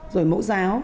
rồi mẫu giáo